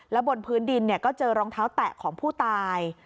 บนพื้นดินก็เจอรองเท้าแตะของผู้ตาย